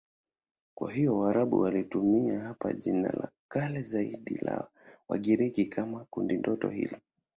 Kwa hiyo Waarabu walitumia hapa jina la kale zaidi la Wagiriki kwa kundinyota hili.